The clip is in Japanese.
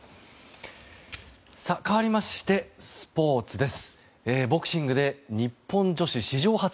かわりましてスポーツです。